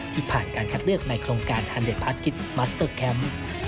ผ่านการคัดเลือกในโครงการฮันเดชพาสกิตมัสเตอร์แคมป์